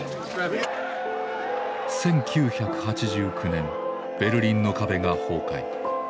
１９８９年ベルリンの壁が崩壊。